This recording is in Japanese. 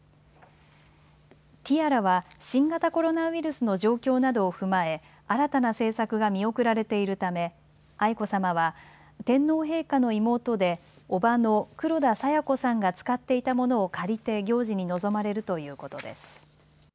ティアラは新型コロナウイルスの状況などを踏まえ新たな製作が見送られているため愛子さまは天皇陛下の妹で叔母の黒田清子さんが使っていたものを借りて行事に臨まれるということです。